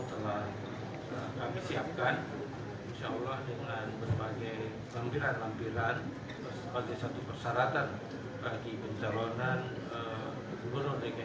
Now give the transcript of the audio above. alhamdulillah apa yang disyaratkan yang tadi disampaikan oleh tua kpu